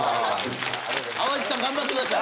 淡路さん頑張ってください！